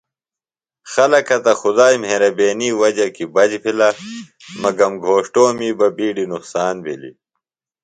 خلکہ تہ خدائی مھرَبینی وجہ کیۡ بچ بِھلہ مگم گھوݜٹومی بہ بِیڈیۡ نقصان بِھلیۡ۔